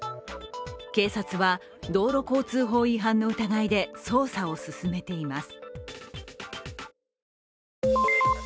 警察は、道路交通法違反の疑いで捜査を進めています。